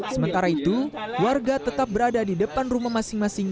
sementara itu warga tetap berada di depan rumah masing masing